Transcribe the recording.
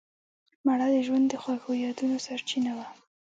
مړه د ژوند د خوږو یادونو سرچینه وه